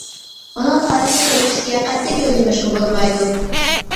ئۇنىڭ تارىخىي تۆھپىسىگە قەتئىي كۆز يۇمۇشقا بولمايدۇ.